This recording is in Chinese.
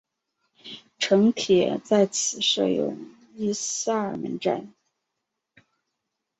城铁在此设有伊萨尔门站。